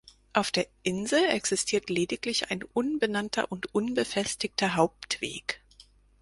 Auf der Insel existiert lediglich ein unbenannter und unbefestigter Hauptweg.